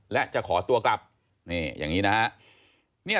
และจะขอตัวกลับนี่อย่างนี้นะฮะ